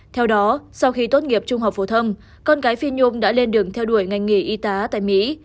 theo đó sau khi tốt nghiệp trung học phổ thông con gái phi nhung đã lên đường theo đuổi ngành nghề y tá tại mỹ